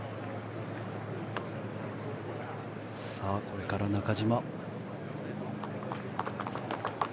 さあ、これから中島。